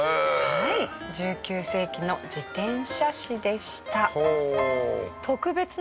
はい１９世紀の自転車史でした。